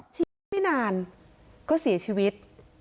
ชีวิตไม่นานก็เสียชีวิต